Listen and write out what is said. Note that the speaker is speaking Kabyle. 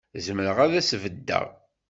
Zemreɣ ad as-beddeɣ.